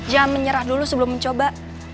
jangan menyerah dulu sebelum mencoba